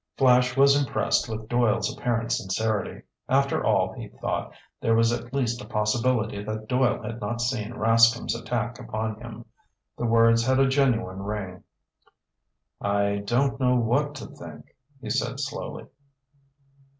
Flash was impressed with Doyle's apparent sincerity. After all, he thought, there was at least a possibility that Doyle had not seen Rascomb's attack upon him. The words had a genuine ring. "I don't know what to think," he said slowly.